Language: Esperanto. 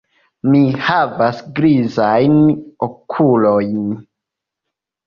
Mi havas grizajn okulojn.